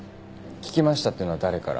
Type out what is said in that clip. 「聞きました」っていうのは誰から？